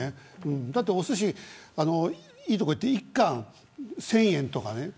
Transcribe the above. だって、おすしいいところは１貫１０００円とかね。